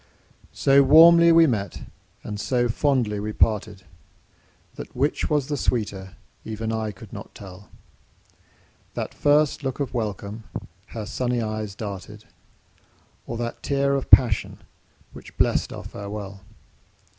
So warmly we met and so fondly we parted, That which was the sweeter even I could not tell, That first look of welcome her sunny eyes darted, Or that tear of passion, which blest our farewell.